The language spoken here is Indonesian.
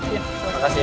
iya terima kasih ya